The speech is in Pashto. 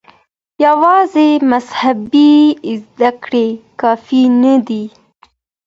يوازې مذهبي زده کړې کافي نه دي.